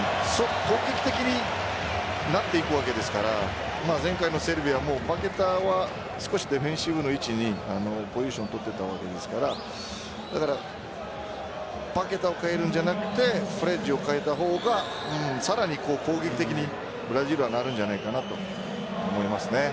攻撃的になっていくわけですから前回のセルビアもパケタは少しディフェンスの位置にポジションを取っていたわけでパケタを代えるんじゃなくてフレッジを代えた方がさらに攻撃的にブラジルはなるんじゃないかなと思いますね。